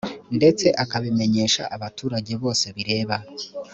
ndetse akabimenyesha abaturage bose bireba